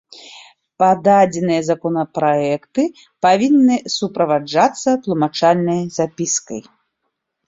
Пададзеныя законапраекты павінны суправаджацца тлумачальнай запіскай.